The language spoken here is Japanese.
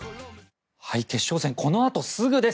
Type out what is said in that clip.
決勝戦はこのあとすぐです。